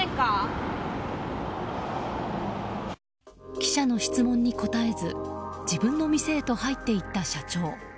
記者の質問に答えず自分の店へと入っていった社長。